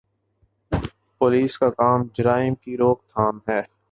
Police کا کام جرائم کی روک تھام ہے۔